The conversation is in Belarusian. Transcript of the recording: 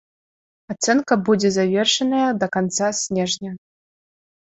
Ацэнка будзе завершаная да канца снежня.